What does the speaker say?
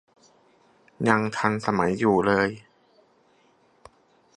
ยังทันสมัยอยู่เลย